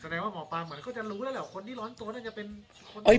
ว่าหมอปลาเหมือนเขาจะรู้แล้วแหละคนที่ร้อนตัวน่าจะเป็นคนที่